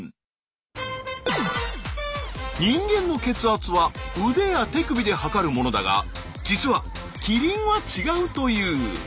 人間の血圧は腕や手首で測るものだが実はキリンは違うという。